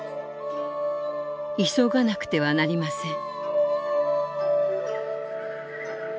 「急がなくてはなりません」。